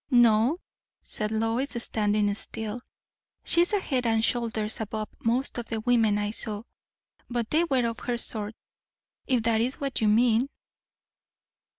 "No," said Lois, standing still; "she is a head and shoulders above most of the women I saw; but they were of her sort, if that is what you mean."